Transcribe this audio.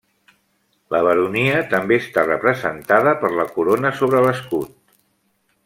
La baronia també està representada per la corona sobre l'escut.